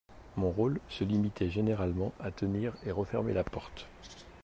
Mon rôle se limitait généralement à tenir et refermer la porte.